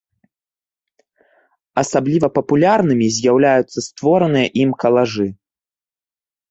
Асабліва папулярнымі з'яўляюцца створаныя ім калажы.